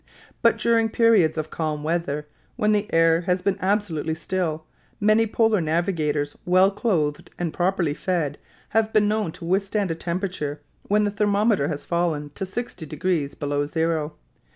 But during periods of calm weather, when the air has been absolutely still, many polar navigators, well clothed and properly fed, have been known to withstand a temperature when the thermometer has fallen to 60 degrees below zero.